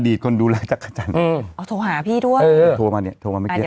คนดูแลจักรจันทร์เอาโทรหาพี่ด้วยเออโทรมาเนี่ยโทรมาเมื่อกี้